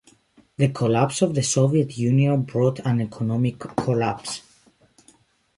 The collapse of the Soviet Union brought an economic collapse.